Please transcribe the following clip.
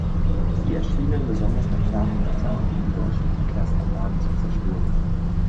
Sie erschienen besonders bei klarem Wetter, um die deutschen Verkehrsanlagen zu zerstören.